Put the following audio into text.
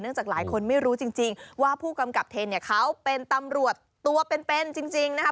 จากหลายคนไม่รู้จริงว่าผู้กำกับเทนเนี่ยเขาเป็นตำรวจตัวเป็นจริงนะคะ